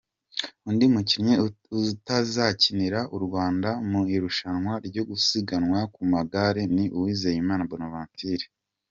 Undi mukinnyi utazakinira u Rwanda mu irushanwa ryo gusiganwa ku magare ni Uwizeyimana Bonaventure.